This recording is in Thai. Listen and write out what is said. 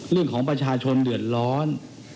เรื่องของประชาชนเดือดร้อน